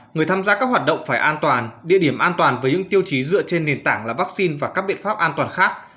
người tham gia các hoạt động phải an toàn địa điểm an toàn với những tiêu chí dựa trên nền tảng là vaccine và các biện pháp an toàn khác